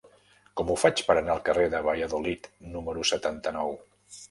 Com ho faig per anar al carrer de Valladolid número setanta-nou?